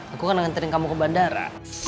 aku kan akan ntarin kamu ke bandara